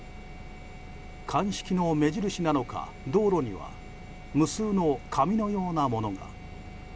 鑑識の目印なのか、道路には無数の紙のようなものが。